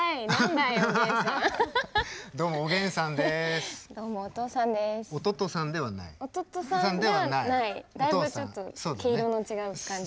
だいぶちょっと毛色の違う感じ。